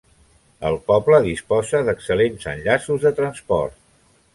El poble disposa d'excel·lents enllaços de transport.